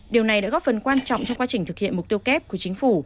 điều này đã góp phần quan trọng trong quá trình thực hiện mục tiêu kép của chính phủ